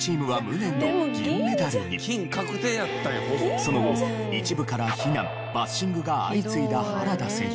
その後一部から非難バッシングが相次いだ原田選手。